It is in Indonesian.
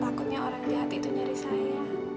takutnya orang lihat itu nyari saya